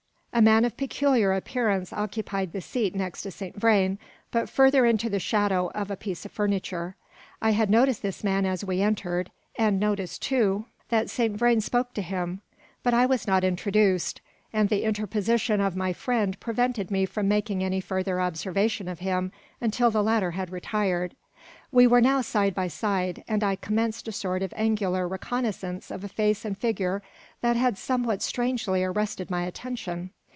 A man of peculiar appearance occupied the seat next to Saint Vrain, but farther into the shadow of a piece of furniture. I had noticed this man as we entered, and noticed, too, that Saint Vrain spoke to him; but I was not introduced, and the interposition of my friend prevented me from making any further observation of him until the latter had retired. We were now side by side; and I commenced a sort of angular reconnaissance of a face and figure that had somewhat strangely arrested my attention.